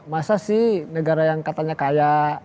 masa sih negara yang katanya kaya